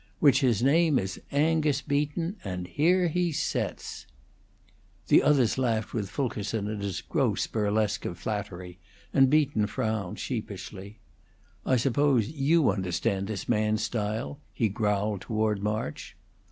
Which his name is Angus Beaton, and here he sets!" The others laughed with Fulkerson at his gross burlesque of flattery, and Beaton frowned sheepishly. "I suppose you understand this man's style," he growled toward March.